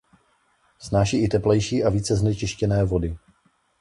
Snáší i teplejší a více znečištěné vody.